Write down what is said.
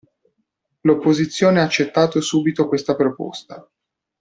L'opposizione ha accettato subito questa proposta.